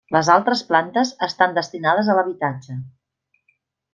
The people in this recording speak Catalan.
Les altres plantes estan destinades a l'habitatge.